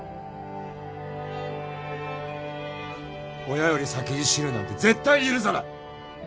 親より先に死ぬなんて絶対許さない。